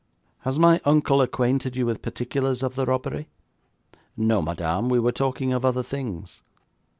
'Has my uncle acquainted you with particulars of the robbery?' 'No, madame, we were talking of other things.'